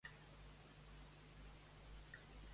Com van reaccionar tots els invitats en observar-lo?